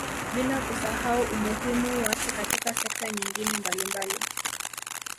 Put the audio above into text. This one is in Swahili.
Bila kusahau umuhimu wake katika sekta nyingine mbalimbali